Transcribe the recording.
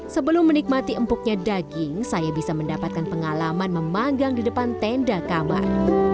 sebelum menikmati empuknya daging saya bisa mendapatkan pengalaman memanggang di depan tenda kamar